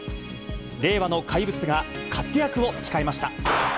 令和の怪物が活躍を誓いました。